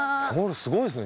すごいですね